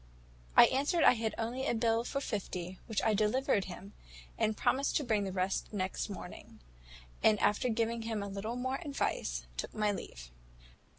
"I answered I had only a bill for £50, which I delivered him, and promised to bring him the rest next morning; and after giving him a little more advice, took my leave.